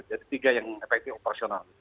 jadi tiga yang efektif operasional